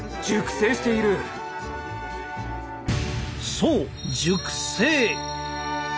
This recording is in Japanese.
そう熟成！